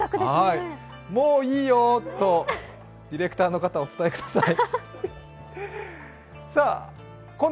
もういいよとディレクターの方、お伝えください。